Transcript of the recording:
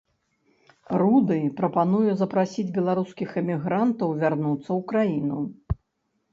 Руды прапануе запрасіць беларускіх эмігрантаў вярнуцца ў краіну.